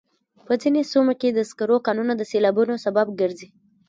په ځینو سیمو کې د سکرو کانونه د سیلابونو سبب ګرځي.